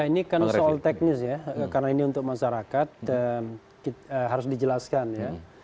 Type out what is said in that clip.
ini kan soal teknis ya karena ini untuk masyarakat harus dijelaskan ya